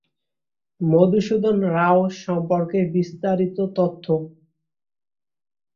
মধুসূদন রাও সম্পর্কে বিস্তারিত তথ্য